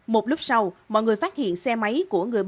một lúc sau mọi người phát hiện xe máy của người